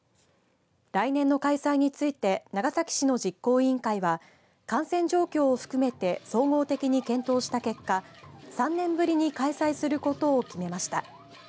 来年の開催について長崎市の実行委員会は感染状況を含めて総合的に検討した結果３年ぶりに開催することを決めました。